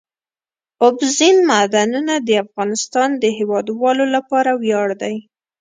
اوبزین معدنونه د افغانستان د هیوادوالو لپاره ویاړ دی.